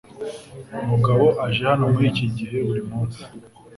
Mugabo aje hano muri iki gihe buri munsi.